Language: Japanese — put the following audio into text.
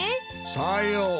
さよう。